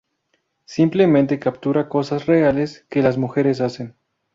Simplemente captura cosas reales que las mujeres hacen.